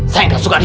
saya gak suka dia